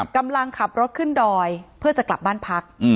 กำลังขับรถขึ้นดอยเพื่อจะกลับบ้านพัก